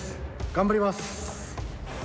頑張ります。